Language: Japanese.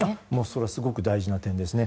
それはすごく大事な点ですね。